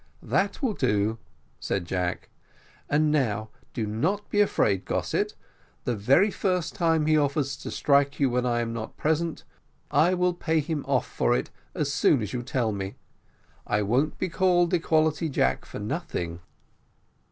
"That will do," said Jack, "and now do not be afraid, Gossett; the very first time he offers to strike you when I am not present, I will pay him off for it as soon as you tell me. I won't be called Equality Jack for nothing."